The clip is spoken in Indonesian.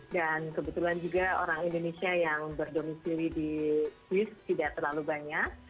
dan kebetulan juga orang indonesia yang berdomisili di swiss tidak terlalu banyak